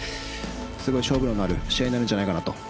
すごい勝負となる試合になるんじゃないかなと。